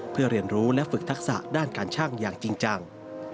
เพื่อเรียนรู้และฝึกทักษะด้านการช่างอย่างจริงจัง